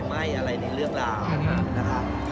ไฟไหม้อะไรในเรื่องราวนะคะ